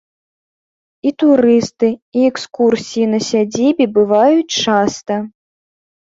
І турысты, і экскурсіі на сядзібе бываюць часта.